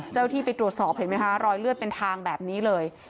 เจ้าที่ไปตรวจสอบเห็นไหมคะรอยเลือดเป็นทางแบบนี้เลย